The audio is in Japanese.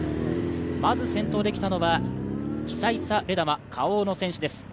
まず先頭で来たのは、キサイサ・レダマ、Ｋａｏの選手です。